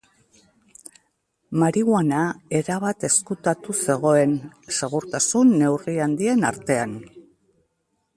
Marihuana erabat ezkutatu zegoen segurtasun neurri handien artean.